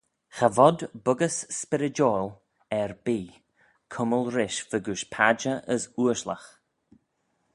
Cha vod boggys spyrrydoil erbee cummal rish fegooish padjer as ooashlagh.